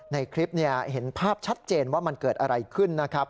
ในคลิปเห็นภาพชัดเจนว่ามันเกิดอะไรขึ้นนะครับ